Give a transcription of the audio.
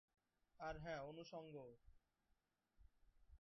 আর হ্যাঁ, অনুষঙ্গও।